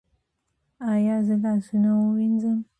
ایا زه لاسونه ووینځم؟